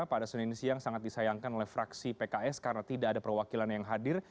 pada senin siang sangat disayangkan oleh fraksi pks karena tidak ada perwakilan yang hadir